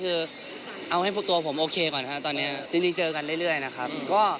คือเอาให้ตัวผมโอเคก่อนครับตอนนี้จริงเจอกันเรื่อยนะครับ